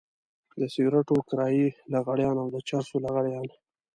د سګرټو کرايي لغړيان او د چرسو لغړيان.